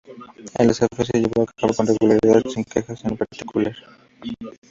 El desafío se llevó a cabo con regularidad, sin quejas en particular.